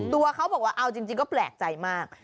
ตัวเขาบอกว่าเอาจริงก็แปลกใจมาก